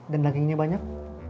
dan dagingnya banyak